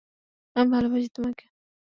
আমি ভালবাসি তোমাকে।